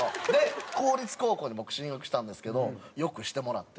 公立高校に僕進学したんですけど良くしてもらって。